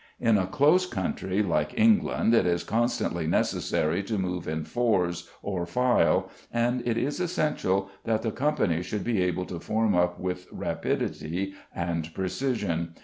In a close country like England it is constantly necessary to move in fours or file, and it is essential that the company should be able to form up with rapidity and precision.